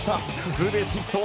ツーベースヒット！